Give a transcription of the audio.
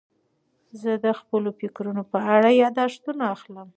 زه د خپلو فکرونو په اړه یاداښتونه اخلم.